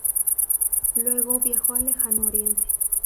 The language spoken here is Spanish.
Luego viajó al Lejano Oriente.